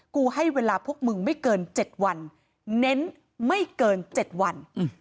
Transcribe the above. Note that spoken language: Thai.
เวลาให้เวลาพวกมึงไม่เกิน๗วันเน้นไม่เกิน๗วัน